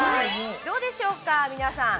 どうでしょうか、皆さん。